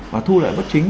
và thu lại bất chính